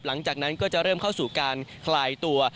หลังจากนั้นก็จะเริ่มเข้าสู่การคลายตัว